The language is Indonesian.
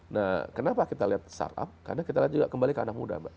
nah kenapa kita lihat startup karena kita lihat juga kembali ke anak muda mbak